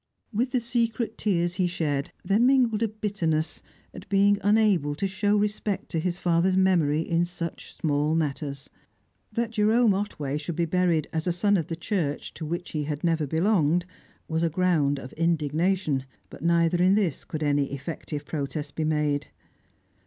With the secret tears he shed, there mingled a bitterness at being unable to show respect to his father's memory in such small matters. That Jerome Otway should be buried as a son of the Church, to which he had never belonged, was a ground of indignation, but neither in this could any effective protest be made.